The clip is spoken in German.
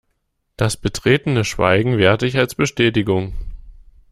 Das betretene Schweigen werte ich als Bestätigung.